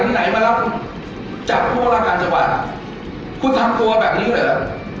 ที่ไหนมารับจากภูมิวัลการณ์จังหวัดคุณทำตัวแบบนี้ก็ได้หรือ